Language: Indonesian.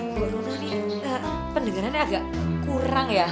borono nih pendengarannya agak kurang ya